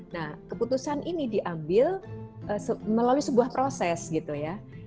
nah keputusan ini diambil melalui sebuah proses gitu ya